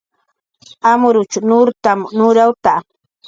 Amrutx nurtam nurawta